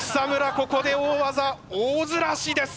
ここで大技大ずらしです。